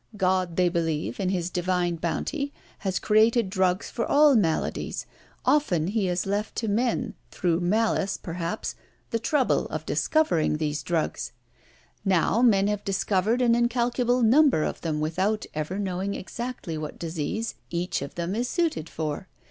God, they believe, in His divine bounty, has created drugs for all maladies, only He has left to men, through malice, perhaps, the trouble of discovering these drugs. Now, men have discovered an incalculable number of them without ever knowing exactly what disease each of them is suited for.